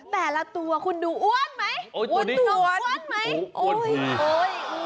แต่ละตัวคุณดูอ้วนไหม